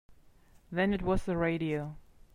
Then it was the radio.